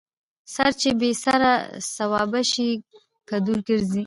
ـ سر چې بې سر سوابه شي کدو ګرځي.